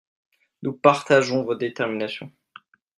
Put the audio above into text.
Nous partageons votre détermination.